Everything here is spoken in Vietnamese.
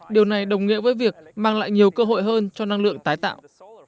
điều này đồng nghĩa với việc mang lại nhiều cơ hội hơn cho năng lượng tái tạo